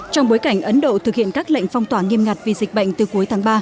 trong bối cảnh ấn độ thực hiện các lệnh phong tỏa nghiêm ngặt vì dịch bệnh từ cuối tháng ba